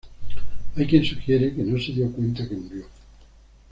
Hay quien sugiere que no se dio cuenta que murió.